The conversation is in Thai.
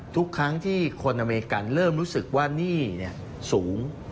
ทุกครั้งที่คนอเมริกันเริ่มรู้สึกว่าหนี้สูง